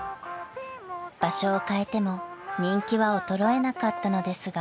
［場所を変えても人気は衰えなかったのですが］